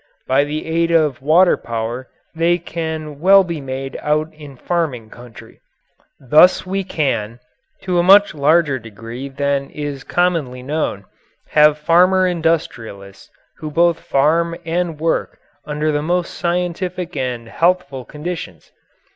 By the aid of water power they can well be made out in farming country. Thus we can, to a much larger degree than is commonly known, have farmer industrialists who both farm and work under the most scientific and healthful conditions.